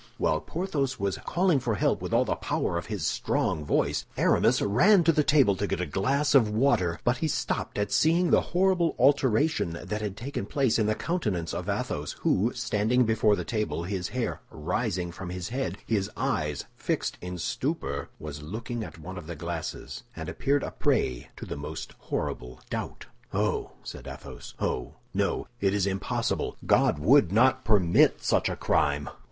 While Porthos was calling for help with all the power of his strong voice, Aramis ran to the table to get a glass of water; but he stopped at seeing the horrible alteration that had taken place in the countenance of Athos, who, standing before the table, his hair rising from his head, his eyes fixed in stupor, was looking at one of the glasses, and appeared a prey to the most horrible doubt. "Oh!" said Athos, "oh, no, it is impossible! God would not permit such a crime!"